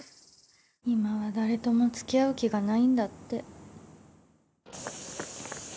今は誰とも付き合う気がないんだって